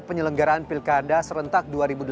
penyelenggaraan pilkada serentak dua ribu delapan belas